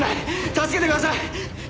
助けてください！